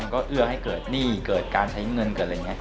ก็เอื้อให้เกิดหนี้เกิดการใช้เงินเกิดอะไรอย่างนี้